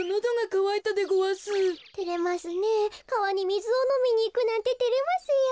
かわにみずをのみにいくなんててれますよ。